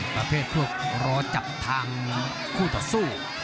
ประเภทพวกรอจับทางคู่ต่อสู้